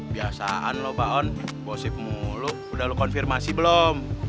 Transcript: biasaan lo baon bosep mulu udah lo konfirmasi belum